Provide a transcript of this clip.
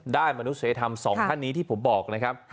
มนุษยธรรมสองท่านนี้ที่ผมบอกนะครับ